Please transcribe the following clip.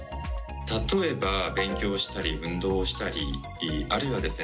例えば勉強をしたり運動をしたりあるいはですね